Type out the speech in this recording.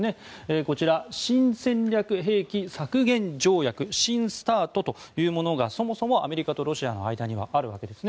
こちら、新戦略兵器削減条約・新ＳＴＡＲＴというものがそもそもアメリカとロシアの間にはあるわけですね。